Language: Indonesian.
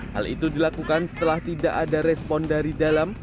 hal itu dilakukan setelah tidak ada respon dari dalam